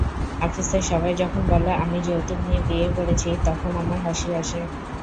অফিসের সবাই যখন বলে আমি যৌতুক নিয়ে বিয়ে করেছি তখন আমার হাসি আসে।